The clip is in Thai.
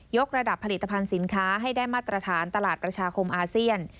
กระดับผลิตภัณฑ์สินค้าให้ได้มาตรฐานตลาดประชาคมอาเซียน